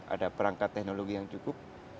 ada perangkat teknologi yang cukup